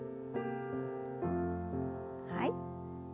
はい。